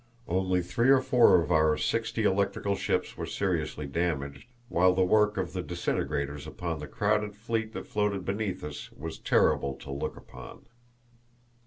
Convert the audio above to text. Only three or four of our sixty electrical ships were seriously damaged, while the work of the disintegrators upon the crowded fleet that floated beneath us was terrible to look upon.